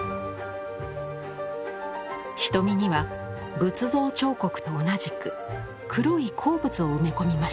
瞳には仏像彫刻と同じく黒い鉱物を埋め込みました。